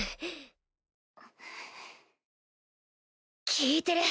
効いてる！